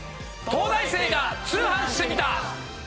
『東大生が通販してみた！！』。